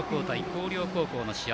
広陵高校の試合